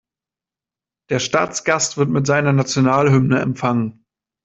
Der Staatsgast wird mit seiner Nationalhymne empfangen.